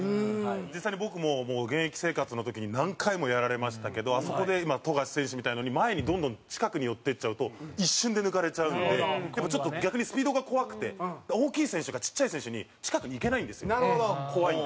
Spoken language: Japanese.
実際に僕も、現役生活の時に何回も、やられましたけどあそこで、富樫選手みたいなのに前に、どんどん近くに寄っていっちゃうと一瞬で抜かれちゃうので逆に、スピードが怖くて。大きい選手が、ちっちゃい選手に近くに行けないんですよ怖いんで。